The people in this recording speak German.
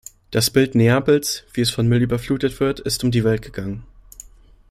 Das Bild Neapels, wie es von Müll überflutet wird, ist um die Welt gegangen.